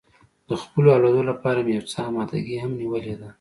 د خپلو اولادو لپاره مې یو څه اماده ګي هم نیولې ده.